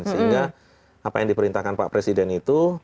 sehingga apa yang diperintahkan pak presiden itu